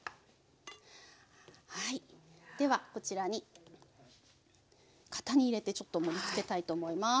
はいではこちらに型に入れてちょっと盛りつけたいと思います。